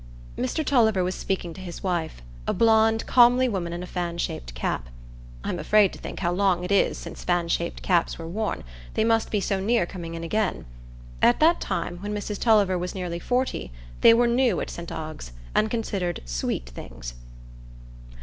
Mr Tulliver was speaking to his wife, a blond comely woman in a fan shaped cap (I am afraid to think how long it is since fan shaped caps were worn, they must be so near coming in again. At that time, when Mrs Tulliver was nearly forty, they were new at St Ogg's, and considered sweet things).